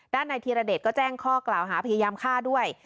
นายธีรเดชก็แจ้งข้อกล่าวหาพยายามฆ่าด้วย